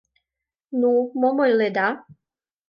— Ну, мом ойледа?